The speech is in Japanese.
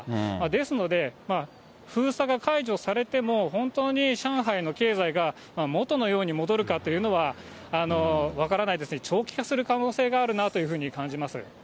ですので、封鎖が解除されても、本当に上海の経済が元のように戻るかというのは、分からないですね、長期化する可能性があるなというふうに感じます。